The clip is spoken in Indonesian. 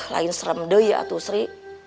lain serem deh ya tuh sri